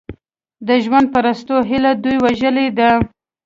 د ژوند پرستو هیلې دوی وژلي دي.